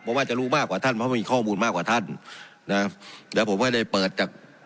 ผมว่าจะรู้มากกว่าท่านเพราะมีข้อมูลมากกว่าท่านนะแล้วผมไม่ได้เปิดจาก